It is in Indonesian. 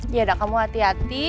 yaudah kamu hati hati